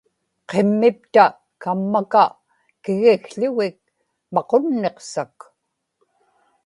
qimmipta kammaka kigiqł̣ugik maqunniqsak